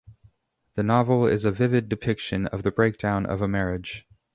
The novel is a vivid depiction of the breakdown of a marriage.